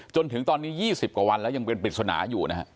จนถึงตอนนี้ยี่สิบกว่าวันแล้วยังเป็นเป็นสนาอยู่นะครับ